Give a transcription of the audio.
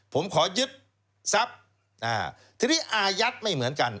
ผมขอยึดทรัพย์ทีนี้อายัดไม่เหมือนกัน